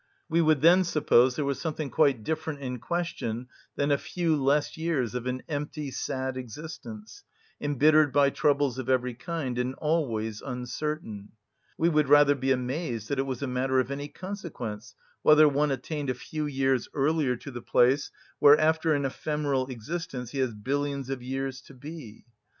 We would then suppose there was something quite different in question than a few less years of an empty, sad existence, embittered by troubles of every kind, and always uncertain: we would rather be amazed that it was a matter of any consequence whether one attained a few years earlier to the place where after an ephemeral existence he has billions of years to be.